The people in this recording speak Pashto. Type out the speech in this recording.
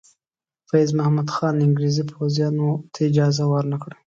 فیض محمد خان انګریزي پوځیانو ته اجازه ور نه کړه.